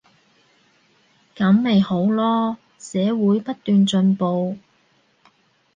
噉咪好囉，社會不斷進步